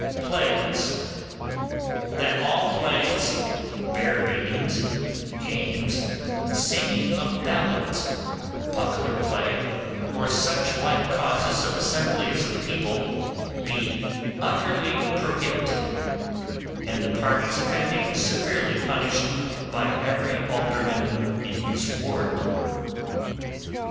Plays. 'That all plays, bear baitings, games, singing of ballads, buckler play, or such like causes of assemblies of people be utterly prohibited, and the parties offending severely punished by every alderman in his ward.